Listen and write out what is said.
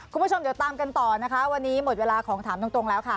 คุณผู้ชมเดี๋ยวตามกันต่อนะคะวันนี้หมดเวลาของถามตรงแล้วค่ะ